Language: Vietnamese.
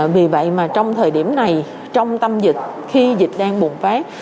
vì vậy mà trong thời điểm này trong tâm dịch khi dịch đang bùng phát